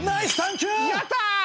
やった！